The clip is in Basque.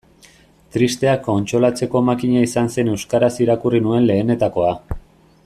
Tristeak kontsolatzeko makina izan zen euskaraz irakurri nuen lehenetakoa.